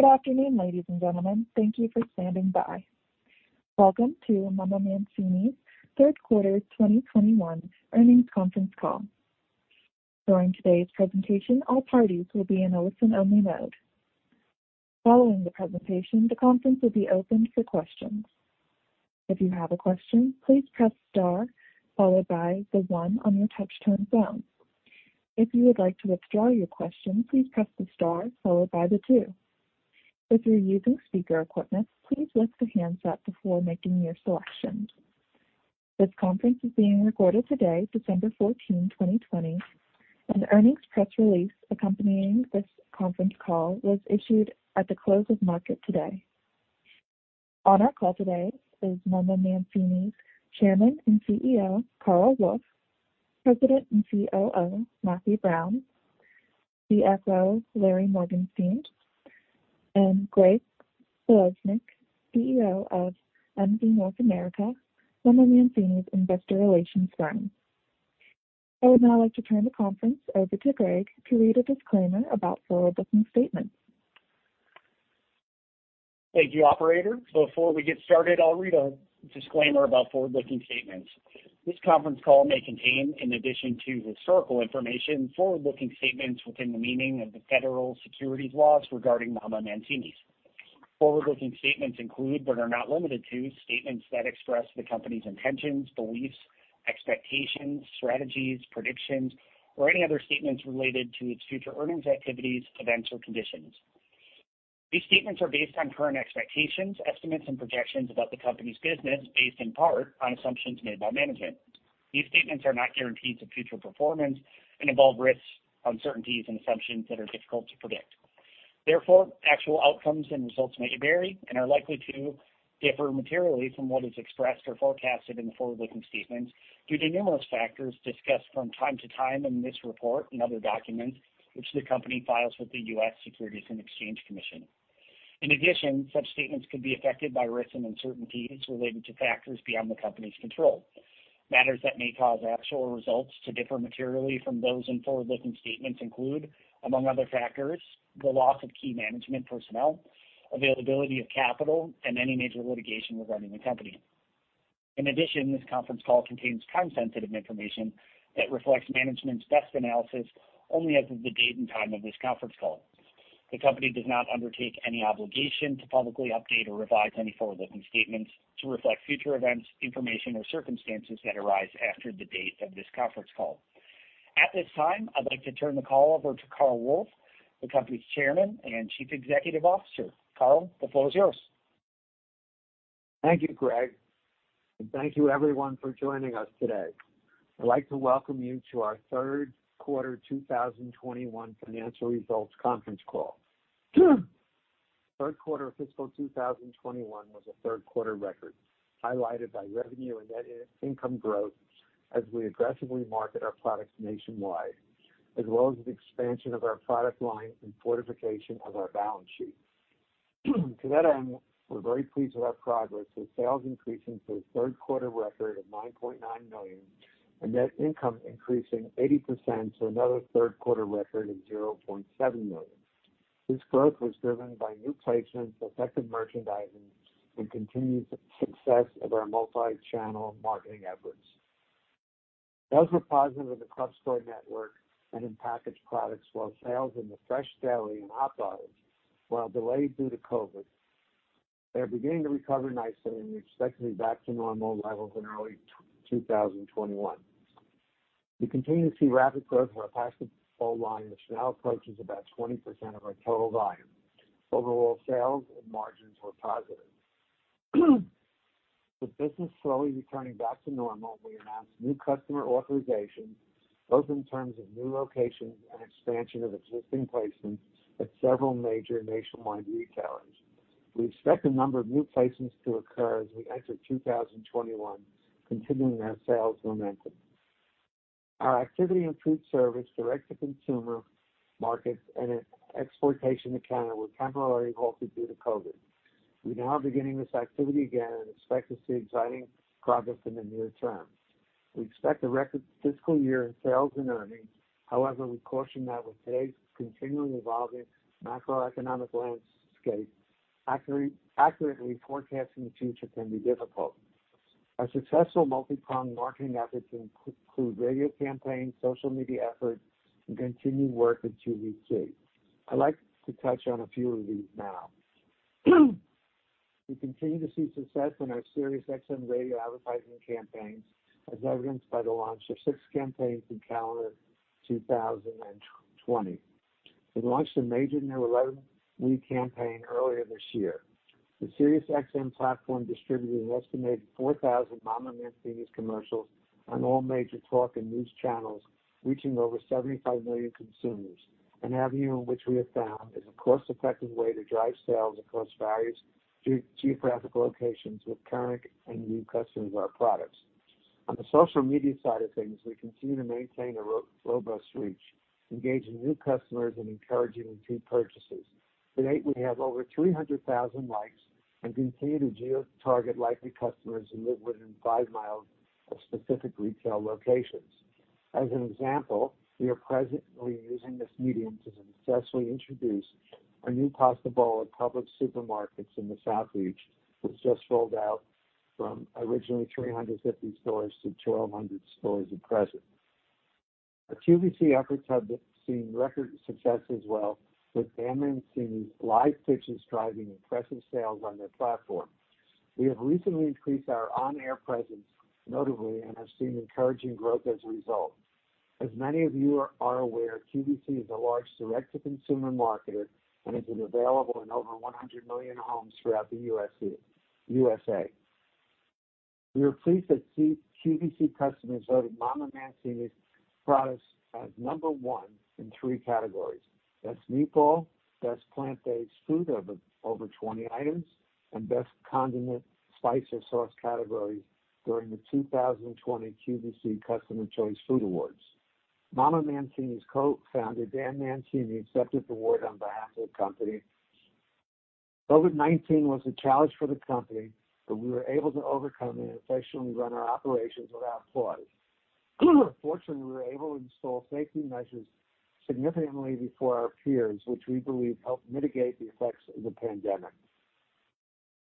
Good afternoon, ladies and gentlemen. Thank you for standing by. Welcome to Mama Mancini's Third Quarter 2021 Earnings Conference Call. During today's presentation, all parties will be in a listen-only mode. Following the presentation, the conference will be opened for questions. If you have a question, please press star, followed by the one on your touch-tone phone. If you would like to withdraw your question, please press the star followed by the two. If you're using speaker equipment, please lift the handset before making your selection. This conference is being recorded today, December 14th, 2020, and the earnings press release accompanying this conference call was issued at the close of market today. On our call today is Mama Mancini's Chairman and CEO, Carl Wolf, President and COO, Matthew Brown, CFO, Larry Morgenstein, and Greg Falesnik, CEO of MZ North America, Mama Mancini's investor relations firm. I would now like to turn the conference over to Greg to read a disclaimer about forward-looking statements. Thank you, operator. Before we get started, I'll read a disclaimer about forward-looking statements. This conference call may contain, in addition to historical information, forward-looking statements within the meaning of the federal securities laws regarding Mama Mancini's. Forward-looking statements include, but are not limited to, statements that express the company's intentions, beliefs, expectations, strategies, predictions, or any other statements related to its future earnings, activities, events, or conditions. These statements are based on current expectations, estimates, and projections about the company's business, based in part on assumptions made by management. These statements are not guarantees of future performance and involve risks, uncertainties, and assumptions that are difficult to predict. Therefore, actual outcomes and results may vary and are likely to differ materially from what is expressed or forecasted in the forward-looking statements due to numerous factors discussed from time to time in this report and other documents which the company files with the U.S. Securities and Exchange Commission. In addition, such statements could be affected by risks and uncertainties related to factors beyond the company's control. Matters that may cause actual results to differ materially from those in forward-looking statements include, among other factors, the loss of key management personnel, availability of capital, and any major litigation regarding the company. In addition, this conference call contains time-sensitive information that reflects management's best analysis, only as of the date and time of this conference call. The company does not undertake any obligation to publicly update or revise any forward-looking statements to reflect future events, information, or circumstances that arise after the date of this conference call. At this time, I'd like to turn the call over to Carl Wolf, the company's Chairman and Chief Executive Officer. Carl, the floor is yours. Thank you, Greg, and thank you everyone for joining us today. I'd like to welcome you to our third quarter 2021 financial results conference call. Third quarter of fiscal 2021 was a third quarter record, highlighted by revenue and net income growth as we aggressively market our products nationwide, as well as the expansion of our product line and fortification of our balance sheet. To that end, we're very pleased with our progress, with sales increasing to a third quarter record of $9.9 million, and net income increasing 80% to another third quarter record of $0.7 million. This growth was driven by new placements, effective merchandising, and continued success of our multi-channel marketing efforts. Those were positive in the club store network and in packaged products, while sales in the fresh, deli, and hot items, while delayed due to COVID, they are beginning to recover nicely and we expect to be back to normal levels in early 2021. We continue to see rapid growth in our packaged full line, which now approaches about 20% of our total volume. Overall sales and margins were positive. With business slowly returning back to normal, we announced new customer authorizations, both in terms of new locations and expansion of existing placements at several major nationwide retailers. We expect a number of new placements to occur as we enter 2021, continuing our sales momentum. Our activity in food service, direct-to-consumer markets, and its exportation to Canada were temporarily halted due to COVID. We're now beginning this activity again and expect to see exciting progress in the near term. We expect a record fiscal year in sales and earnings. However, we caution that with today's continually evolving macroeconomic landscape, accurately forecasting the future can be difficult. Our successful multi-pronged marketing efforts include radio campaigns, social media efforts, and continued work with QVC. I'd like to touch on a few of these now. We continue to see success in our SiriusXM radio advertising campaigns, as evidenced by the launch of six campaigns in calendar 2020. We launched a major new 11-week campaign earlier this year. The SiriusXM platform distributed an estimated 4,000 Mama Mancini's commercials on all major talk and news channels, reaching over 75 million consumers, an avenue which we have found is a cost-effective way to drive sales across various geographical locations with current and new customers of our products. On the social media side of things, we continue to maintain a robust reach, engaging new customers and encouraging repeat purchases. To date, we have over 300,000 likes and continue to geo-target likely customers who live within five miles of specific retail locations. As an example, we are presently using this medium to successfully introduce a new Pasta Bowl at Publix supermarkets in the South Region, which just rolled out from originally 350 stores to 1,200 stores at present. Our QVC efforts have been seen record success as well, with Mama Mancini's live pitches driving impressive sales on their platform. We have recently increased our on-air presence notably and have seen encouraging growth as a result. As many of you are aware, QVC is a large direct-to-consumer marketer and is available in over 100 million homes throughout the USA. We are pleased that QVC customers voted Mama Mancini's products as number one in three categories. Best meatball, best plant-based food over 20 items, and best condiment, spice, or sauce category during the 2020 QVC Customer Choice Food Awards. Mama Mancini's co-founder, Dan Mancini, accepted the award on behalf of the company. COVID-19 was a challenge for the company, but we were able to overcome and effectively run our operations without pause. Fortunately, we were able to install safety measures significantly before our peers, which we believe helped mitigate the effects of the pandemic.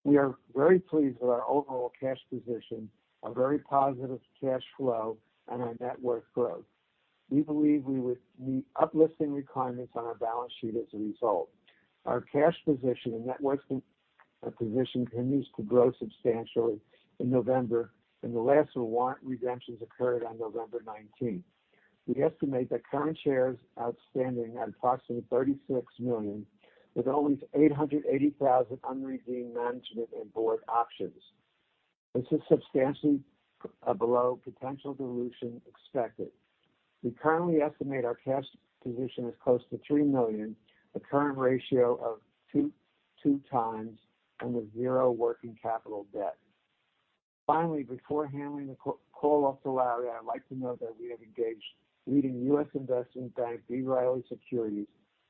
We are very pleased with our overall cash position, our very positive cash flow, and our net worth growth. We believe we would meet uplisting requirements on our balance sheet as a result. Our cash position and net worth position continues to grow substantially in November, and the last warrant redemptions occurred on November 19. We estimate that current shares outstanding at approximately 36 million, with only 880,000 unredeemed management and board options. This is substantially below potential dilution expected. We currently estimate our cash position is close to $3 million, a current ratio of 2.2x and with zero working capital debt. Finally, before handing the call off to Larry, I'd like to note that we have engaged leading US investment bank, B. Riley Securities,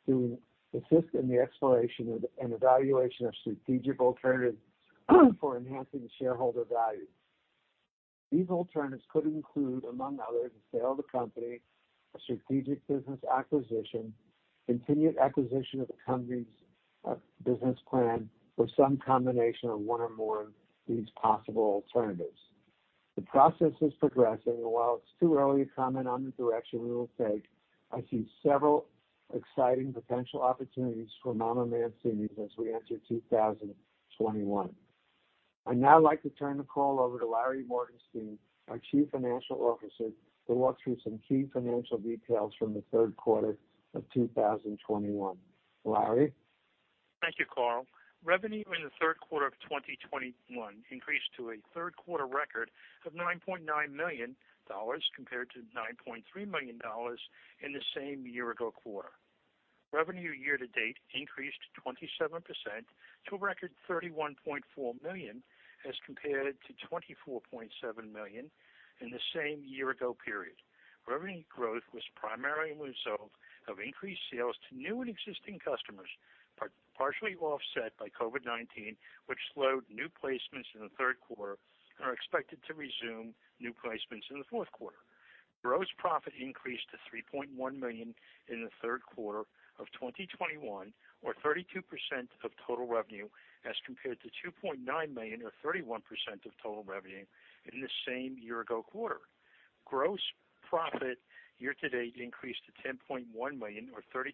to assist in the exploration and evaluation of strategic alternatives for enhancing shareholder value. These alternatives could include, among others, the sale of the company, a strategic business acquisition, continued execution of the company's business plan, or some combination of one or more of these possible alternatives. The process is progressing, and while it's too early to comment on the direction we will take, I see several exciting potential opportunities for Mama Mancini's as we enter 2021. I'd now like to turn the call over to Larry Morgenstein, our Chief Financial Officer, to walk through some key financial details from the third quarter of 2021. Larry? Thank you, Carl. Revenue in the third quarter of 2021 increased to a third quarter record of $9.9 million, compared to $9.3 million in the same year-ago quarter. Revenue year to date increased 27% to a record $31.4 million, as compared to $24.7 million in the same year-ago period. Revenue growth was primarily a result of increased sales to new and existing customers, partially offset by COVID-19, which slowed new placements in the third quarter and are expected to resume new placements in the fourth quarter. Gross profit increased to $3.1 million in the third quarter of 2021, or 32% of total revenue, as compared to $2.9 million or 31% of total revenue in the same year-ago quarter. Gross profit year to date increased to $10.1 million or 32%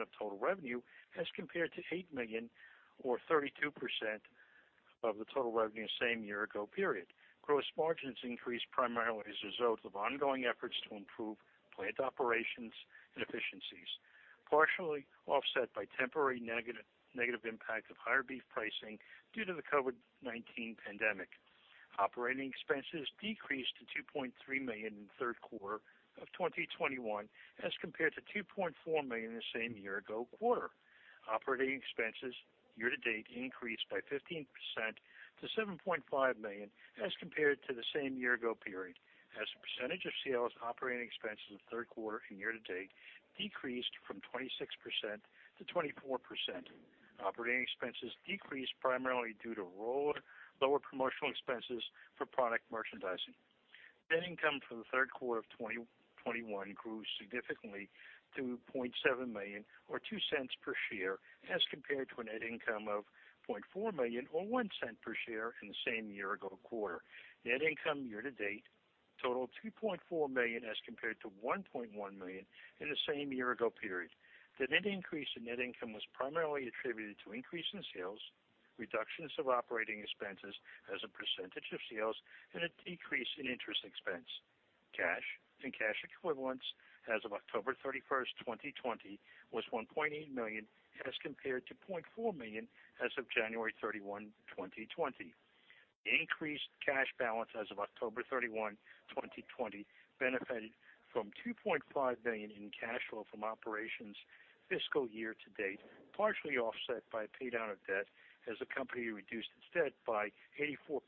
of total revenue, as compared to $8 million or 32% of the total revenue same year-ago period. Gross margins increased primarily as a result of ongoing efforts to improve plant operations and efficiencies, partially offset by temporary negative impact of higher beef pricing due to the COVID-19 pandemic. Operating expenses decreased to $2.3 million in the third quarter of 2021, as compared to $2.4 million in the same year-ago quarter. Operating expenses year to date increased by 15% to $7.5 million, as compared to the same year-ago period. As a percentage of sales, operating expenses in the third quarter and year to date decreased from 26% to 24%. Operating expenses decreased primarily due to lower promotional expenses for product merchandising. Net income for the third quarter of 2021 grew significantly to $0.7 million or $0.02 per share, as compared to a net income of $0.4 million or $0.01 per share in the same year-ago quarter. Net income year to date totaled $2.4 million, as compared to $1.1 million in the same year-ago period. The net increase in net income was primarily attributed to increase in sales, reductions of operating expenses as a percentage of sales, and a decrease in interest expense. Cash and cash equivalents as of October 31st, 2020, was $1.8 million, as compared to $0.4 million as of January 31, 2020. The increased cash balance as of October 31, 2020, benefited from $2.5 million in cash flow from operations fiscal year to date, partially offset by a pay down of debt as the company reduced its debt by 84%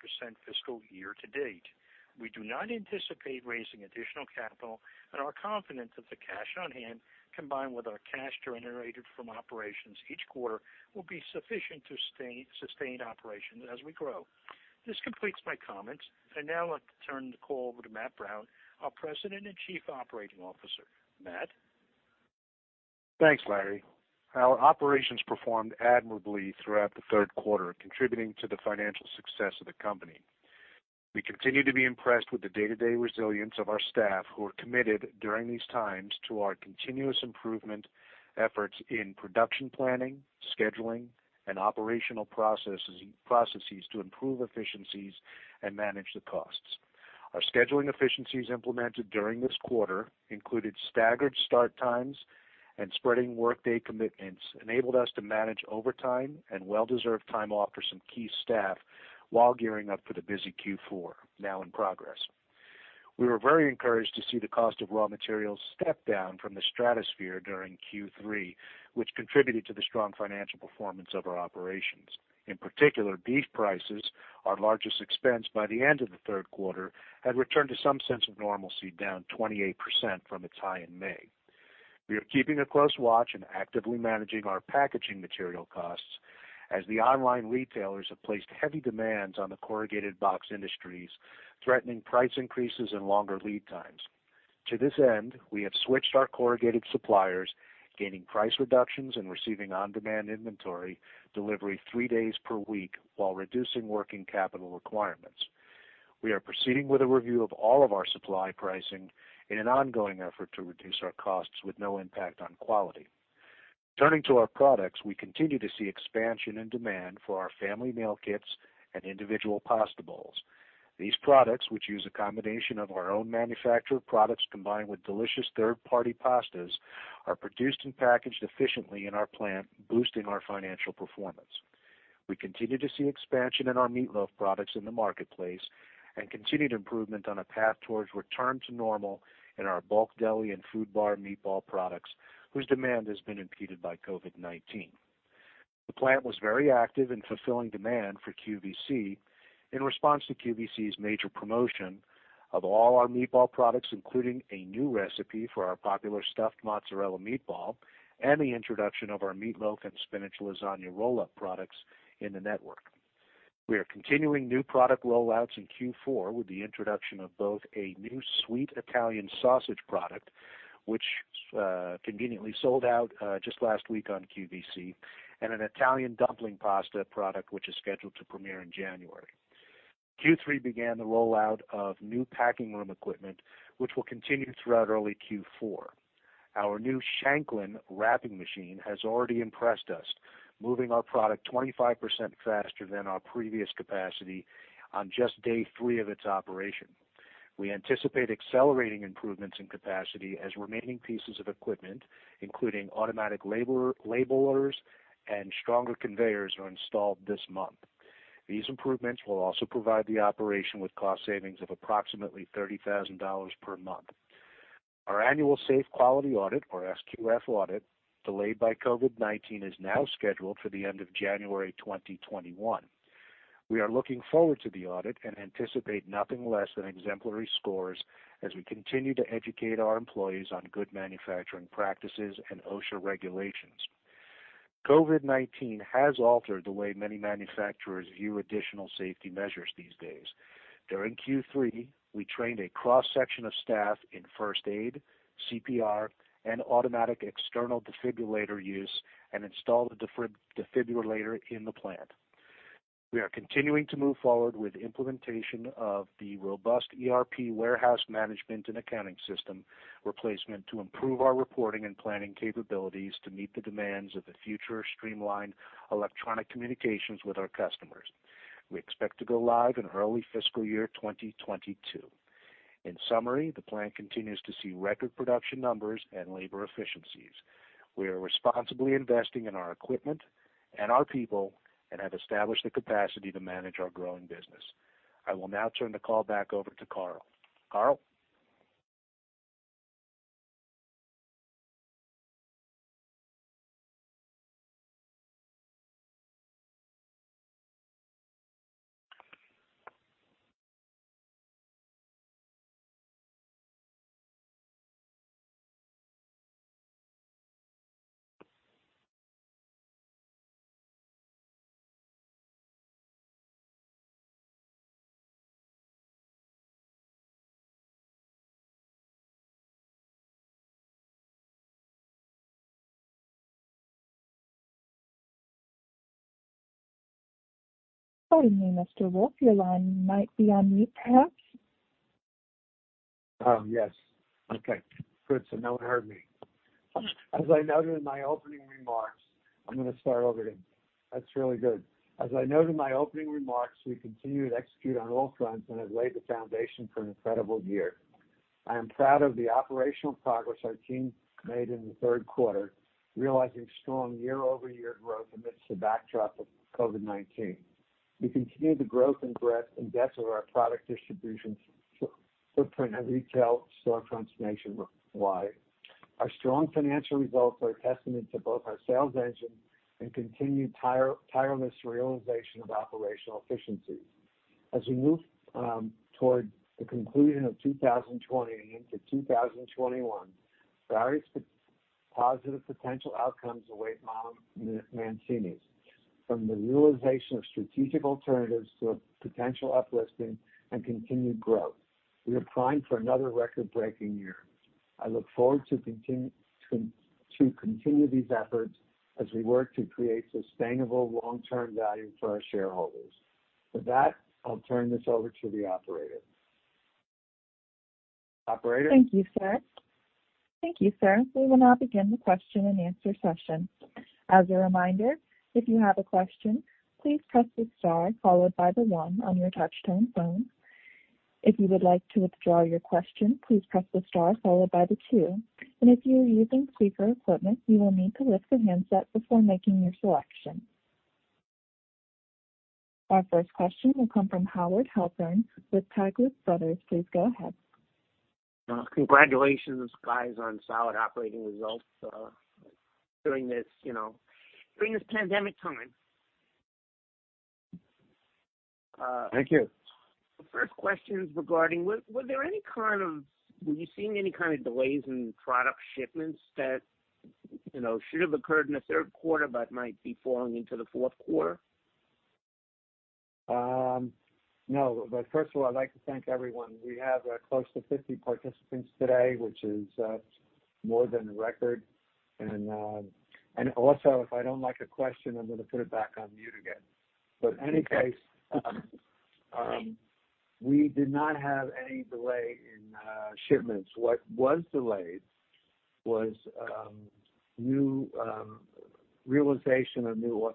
fiscal year to date. We do not anticipate raising additional capital and are confident that the cash on hand, combined with our cash generated from operations each quarter, will be sufficient to sustain operations as we grow.... This completes my comments. I'd now like to turn the call over to Matt Brown, our President and Chief Operating Officer. Matt? Thanks, Larry. Our operations performed admirably throughout the third quarter, contributing to the financial success of the company. We continue to be impressed with the day-to-day resilience of our staff, who are committed during these times to our continuous improvement efforts in production, planning, scheduling, and operational processes to improve efficiencies and manage the costs. Our scheduling efficiencies implemented during this quarter included staggered start times and spreading workday commitments, enabled us to manage overtime and well-deserved time off for some key staff while gearing up for the busy Q4, now in progress. We were very encouraged to see the cost of raw materials step down from the stratosphere during Q3, which contributed to the strong financial performance of our operations. In particular, beef prices, our largest expense by the end of the third quarter, had returned to some sense of normalcy, down 28% from its high in May. We are keeping a close watch and actively managing our packaging material costs, as the online retailers have placed heavy demands on the corrugated box industries, threatening price increases and longer lead times. To this end, we have switched our corrugated suppliers, gaining price reductions and receiving on-demand inventory delivery three days per week while reducing working capital requirements. We are proceeding with a review of all of our supply pricing in an ongoing effort to reduce our costs with no impact on quality. Turning to our products, we continue to see expansion and demand for our family meal kits and individual pasta bowls. These products, which use a combination of our own manufactured products combined with delicious third-party pastas, are produced and packaged efficiently in our plant, boosting our financial performance. We continue to see expansion in our Meatloaf products in the marketplace and continued improvement on a path towards return to normal in our bulk deli and food bar meatball products, whose demand has been impeded by COVID-19. The plant was very active in fulfilling demand for QVC in response to QVC's major promotion of all our meatball products, including a new recipe for our popular Stuffed Mozzarella Meatball and the introduction of our Meatloaf and Spinach Lasagna Roll-up products in the network. We are continuing new product rollouts in Q4 with the introduction of both a new Sweet Italian Sausage product, which conveniently sold out just last week on QVC, and an Italian Dumpling Pasta product, which is scheduled to premiere in January. Q3 began the rollout of new packing room equipment, which will continue throughout early Q4. Our new Shanklin wrapping machine has already impressed us, moving our product 25% faster than our previous capacity on just day three of its operation. We anticipate accelerating improvements in capacity as remaining pieces of equipment, including automatic labelers and stronger conveyors, are installed this month. These improvements will also provide the operation with cost savings of approximately $30,000 per month. Our annual safe quality audit, or SQF audit, delayed by COVID-19, is now scheduled for the end of January 2021. We are looking forward to the audit and anticipate nothing less than exemplary scores as we continue to educate our employees on good manufacturing practices and OSHA regulations. COVID-19 has altered the way many manufacturers view additional safety measures these days. During Q3, we trained a cross-section of staff in first aid, CPR, and automatic external defibrillator use and installed a defibrillator in the plant. We are continuing to move forward with implementation of the robust ERP warehouse management and accounting system replacement to improve our reporting and planning capabilities to meet the demands of the future streamlined electronic communications with our customers. We expect to go live in early fiscal year 2022. In summary, the plant continues to see record production numbers and labor efficiencies. We are responsibly investing in our equipment and our people and have established the capacity to manage our growing business. I will now turn the call back over to Carl. Carl? Pardon me, Mr. Wolf, your line might be on mute, perhaps. Oh, yes. Okay, good. So no one heard me. As I noted in my opening remarks—I'm going to start over again. That's really good. As I noted in my opening remarks, we continue to execute on all fronts and have laid the foundation for an incredible year. I am proud of the operational progress our team made in the third quarter, realizing strong year-over-year growth amidst the backdrop of COVID-19. We continue the growth and breadth and depth of our product distribution footprint and retail store transformation wide. Our strong financial results are a testament to both our sales engine and continued tireless realization of operational efficiencies. As we move toward the conclusion of 2020 and into 2021, positive potential outcomes await Mama Mancini's, from the realization of strategic alternatives to a potential uplisting and continued growth. We are primed for another record-breaking year. I look forward to continue these efforts as we work to create sustainable long-term value for our shareholders. With that, I'll turn this over to the operator. Operator? Thank you, sir. Thank you, sir. We will now begin the question-and-answer session. As a reminder, if you have a question, please press the star followed by the one on your touchtone phone. If you would like to withdraw your question, please press the star followed by the two, and if you are using speaker equipment, you will need to lift the handset before making your selection. Our first question will come from Howard Halpern with Taglich Brothers. Please go ahead. Congratulations, guys, on solid operating results during this, you know, during this pandemic time. Thank you. First question is regarding, were there any kind of delays in product shipments that, you know, should have occurred in the third quarter, but might be falling into the fourth quarter? No, but first of all, I'd like to thank everyone. We have close to 50 participants today, which is more than a record. And also, if I don't like a question, I'm gonna put it back on mute again. But any case, we did not have any delay in shipments. What was delayed was new realization of new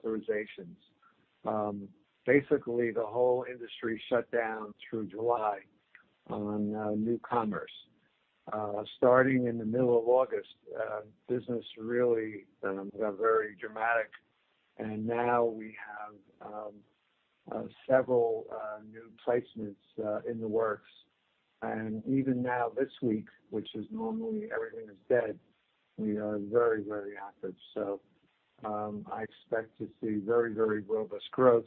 authorizations. Basically, the whole industry shut down through July on new commerce. Starting in the middle of August, business really got very dramatic, and now we have several new placements in the works. And even now, this week, which is normally everything is dead, we are very, very active. So, I expect to see very, very robust growth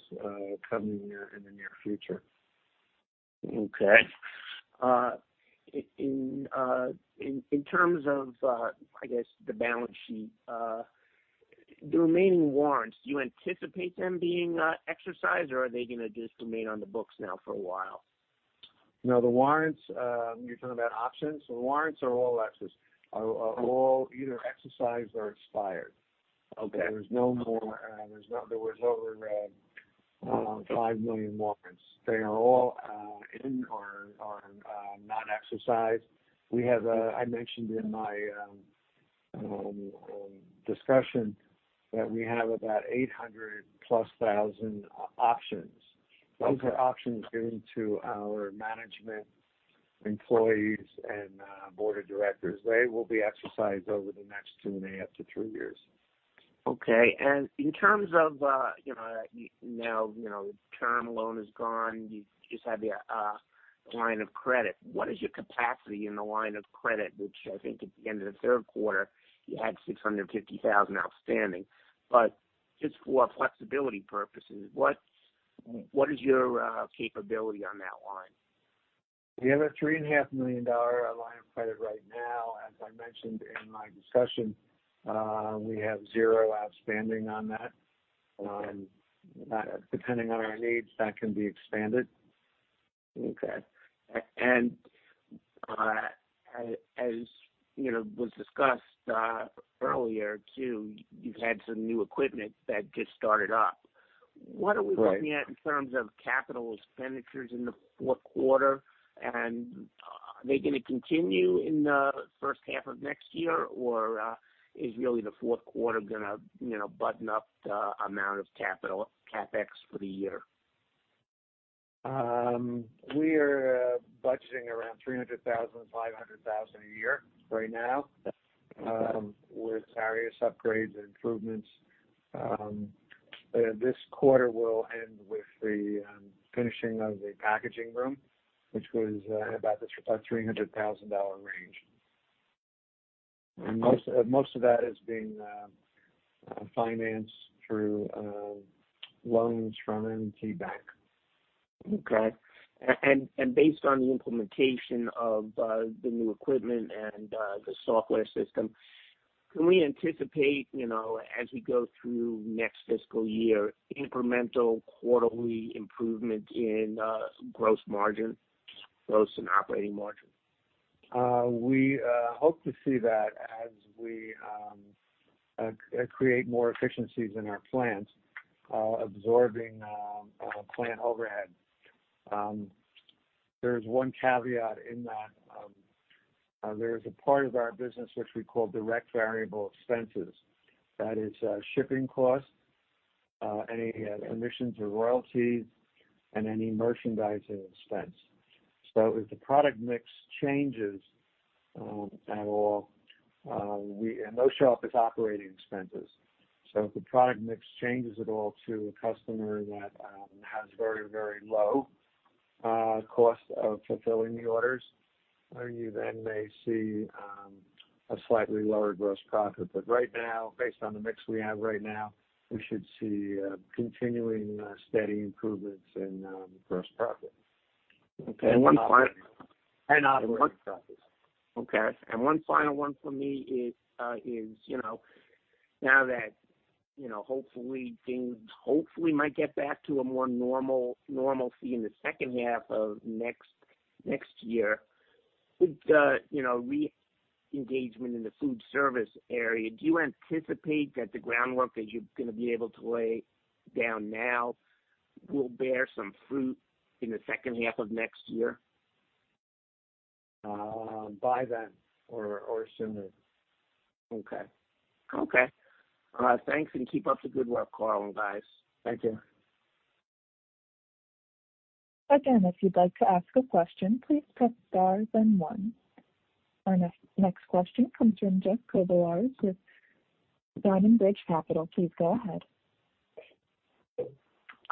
coming here in the near future. Okay. In terms of, I guess, the balance sheet, the remaining warrants, do you anticipate them being exercised, or are they gonna just remain on the books now for a while? No, the warrants, you're talking about options. The warrants are all either exercised or expired. Okay. There's no more. There was over five million warrants. They are all in or not exercised. We have. I mentioned in my discussion that we have about 800,000+ options. Okay. Those are options given to our management, employees, and board of directors. They will be exercised over the next two and half-three years. Okay. And in terms of, you know, now you know, term loan is gone. You just have the line of credit. What is your capacity in the line of credit, which I think at the end of the third quarter, you had $650,000 outstanding. But just for flexibility purposes, what is your capability on that line? We have a $3.5 million line of credit right now. As I mentioned in my discussion, we have zero outstanding on that. Depending on our needs, that can be expanded. Okay. And, as you know, was discussed earlier, too, you've had some new equipment that just started up. Right. What are we looking at in terms of capital expenditures in the fourth quarter? Are they gonna continue in the first half of next year, or is really the fourth quarter gonna, you know, button up the amount of capital, CapEx for the year? We are budgeting around $300,000-$500,000 a year right now, with various upgrades and improvements. This quarter will end with the finishing of the packaging room, which was about $300,000 dollar range. Most, most of that is being financed through loans from M&T Bank. Okay. And based on the implementation of the new equipment and the software system, can we anticipate, you know, as we go through next fiscal year, incremental quarterly improvement in gross margin, gross and operating margin? We hope to see that as we create more efficiencies in our plants, absorbing plant overhead. There's one caveat in that. There's a part of our business which we call direct variable expenses. That is, shipping costs, any commissions or royalties, and any merchandising expense. So if the product mix changes at all, and those show up as operating expenses. So if the product mix changes at all to a customer that has very, very low cost of fulfilling the orders, you then may see a slightly lower gross profit. But right now, based on the mix we have right now, we should see continuing steady improvements in gross profit. Okay, and one final Operating profits. Okay, and one final one for me is, you know, now that, you know, hopefully things hopefully might get back to a more normal, normalcy in the second half of next, next year, with the, you know, re-engagement in the food service area, do you anticipate that the groundwork that you're gonna be able to lay down now will bear some fruit in the second half of next year? By then or sooner. Okay. Okay. Thanks, and keep up the good work, Carl and guys. Thank you. Again, if you'd like to ask a question, please press star then one. Our next, next question comes from Jeff Kobylarz with Diamond Bridge Capital. Please go ahead.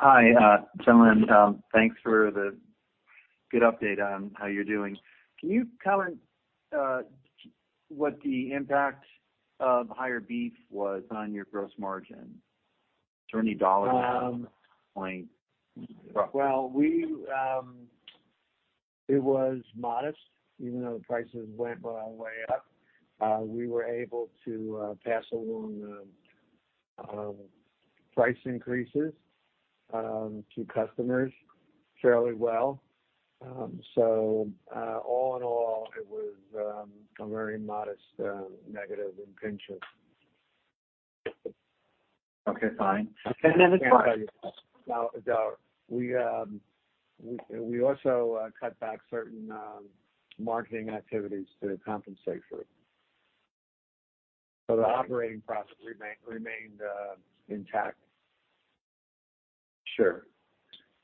Hi, gentlemen. Thanks for the good update on how you're doing. Can you comment what the impact of higher beef was on your gross margin? Is there any dollar amount point? Well, it was modest, even though the prices went way up. We were able to pass along the price increases to customers fairly well. So, all in all, it was a very modest negative impingement. Okay, fine. Okay, that's fine. Now, we also cut back certain marketing activities to compensate for it. So the operating profit remained intact. Sure.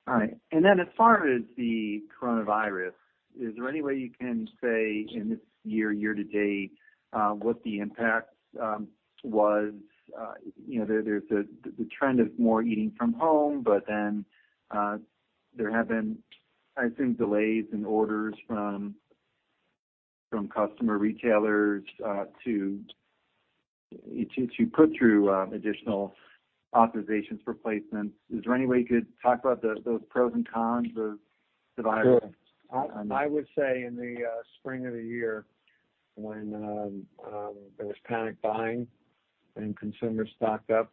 All right. And then as far as the coronavirus, is there any way you can say in this year, year to date, what the impact was? You know, there's the trend is more eating from home, but then there have been, I think, delays in orders from customer retailers to put through additional authorizations for placements. Is there any way you could talk about those pros and cons of the virus? Sure. I would say in the spring of the year, when there was panic buying and consumers stocked up,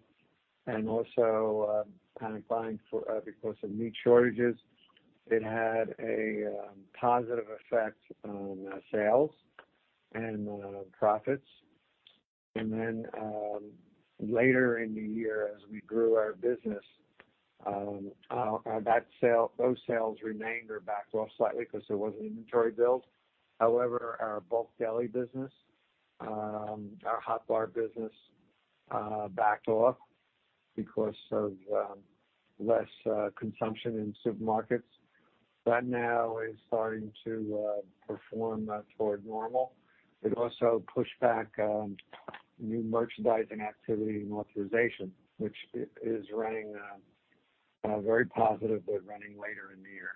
and also panic buying because of meat shortages, it had a positive effect on sales and profits. And then later in the year, as we grew our business, those sales remained or backed off slightly because there was an inventory build. However, our bulk deli business, our hot bar business, backed off because of less consumption in supermarkets. That now is starting to perform toward normal. It also pushed back new merchandising activity and authorization, which is running very positively, running later in the year.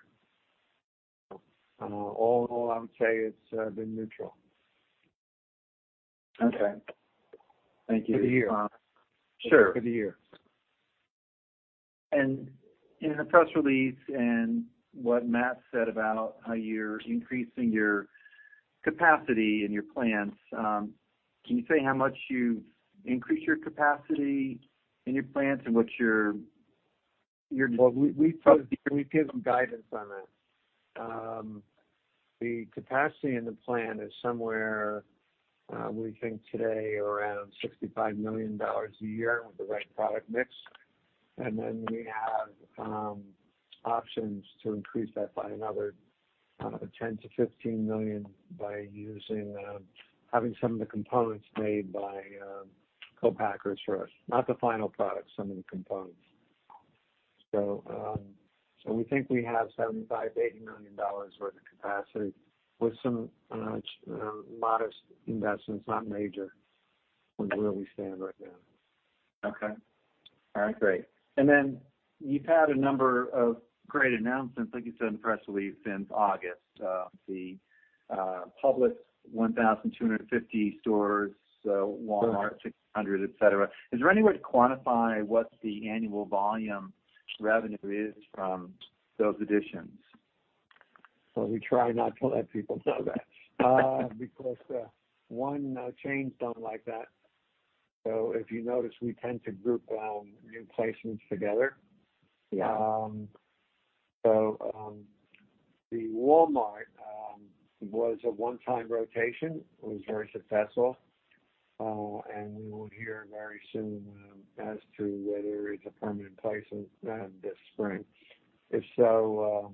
All in all, I would say it's been neutral. Okay. Thank you. Good to hear. Sure. Good to hear. In the press release and what Matt said about how you're increasing your capacity in your plants, can you say how much you've increased your capacity in your plants and what's your, your- Well, we, we've given guidance on that. The capacity in the plant is somewhere, we think today, around $65 million a year with the right product mix. And then we have, options to increase that by another, $10 million-$15 million by using, having some of the components made by, co-packers for us. Not the final product, some of the components. So, so we think we have $75 million-$80 million worth of capacity with some, modest investments, not major, with where we stand right now. Okay. All right, great. And then you've had a number of great announcements, like you said in the press release, since August. The Publix 1,250 stores, so Walmart, 600, et cetera. Is there any way to quantify what the annual volume revenue is from those additions? So we try not to let people know that, because one chain doesn't like that. So if you notice, we tend to group new placements together. Yeah. So, the Walmart was a one-time rotation. It was very successful, and we will hear very soon as to whether it's a permanent placement this spring. If so,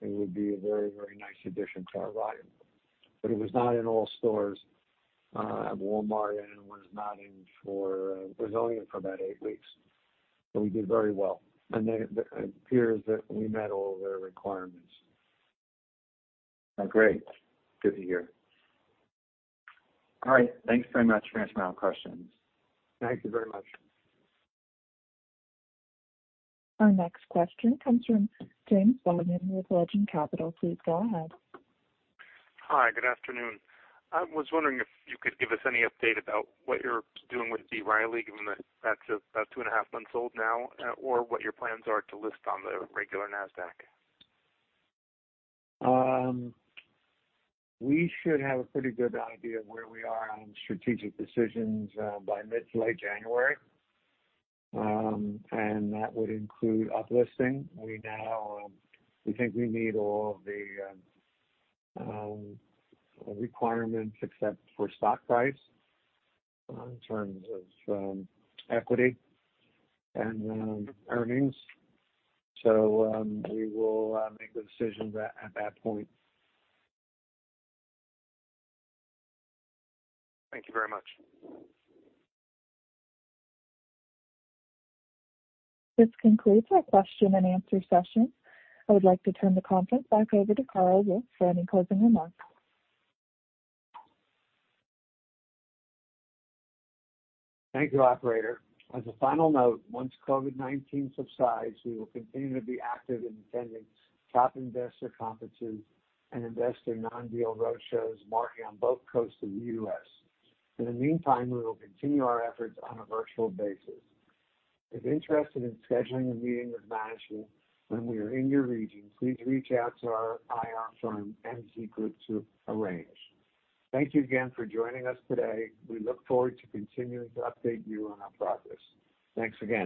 it would be a very, very nice addition to our lineup. But it was not in all stores at Walmart, and it was not in for, it was only in for about eight weeks. But we did very well, and it appears that we met all of their requirements. Oh, great. Good to hear. All right. Thanks very much for answering my questions. Thank you very much. Our next question comes from James Bogin with Legend Capital. Please go ahead. Hi, good afternoon. I was wondering if you could give us any update about what you're doing with B. Riley, given that that's about two and a half months old now, or what your plans are to list on the regular NASDAQ? We should have a pretty good idea of where we are on strategic decisions by mid to late January. And that would include uplisting. We now think we meet all of the requirements except for stock price in terms of equity and earnings. So we will make a decision at that point. Thank you very much. This concludes our question and answer session. I would like to turn the conference back over to Carl Wolf for any closing remarks. Thank you, Operator. As a final note, once COVID-19 subsides, we will continue to be active in attending top investor conferences and investor non-deal roadshows marketing on both coasts of the U.S. In the meantime, we will continue our efforts on a virtual basis. If interested in scheduling a meeting with management when we are in your region, please reach out to our IR firm, MZ Group, to arrange. Thank you again for joining us today. We look forward to continuing to update you on our progress. Thanks again.